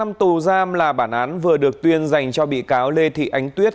một năm tù giam là bản án vừa được tuyên dành cho bị cáo lê thị ánh tuyết